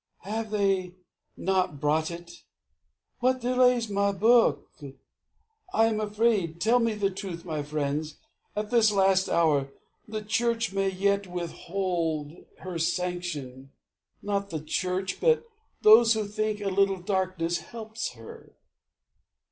Have they not brought it? What delays my book? I am afraid. Tell me the truth, my friends. At this last hour, the Church may yet withhold Her sanction. Not the Church, but those who think A little darkness helps her.